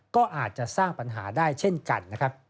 ก็อาจจะสร้างปัญหาได้เช่นกัน